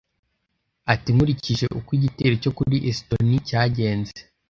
Ati”Nkurikije uko igitero cyo kuri Estonie cyagenze